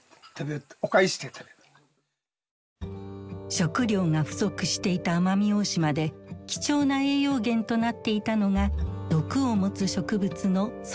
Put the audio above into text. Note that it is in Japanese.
食糧が不足していた奄美大島で貴重な栄養源となっていたのが毒を持つ植物のソテツ。